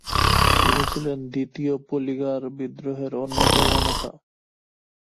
তিনি ছিলেন দ্বিতীয় পলিগার বিদ্রোহের অন্যতম নেতা।